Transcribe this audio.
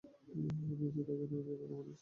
আমি পিছে তাকানোর আগেই তোমরা চারজন চলে যাও।